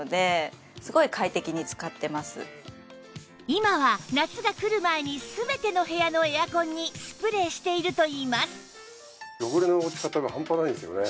今は夏が来る前にすべての部屋のエアコンにスプレーしているといいます